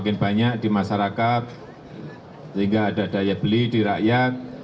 semakin banyak di masyarakat sehingga ada daya beli di rakyat